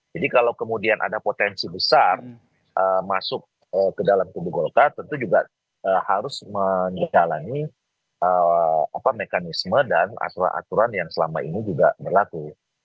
jadi kalau kemudian ada potensi besar masuk ke dalam kubu golkar tentu juga harus menjalani mekanisme dan asur aturan yang selama ini juga berlaku